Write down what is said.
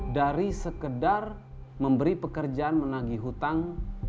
dari sekedar memberi pekerjaan menagih hutang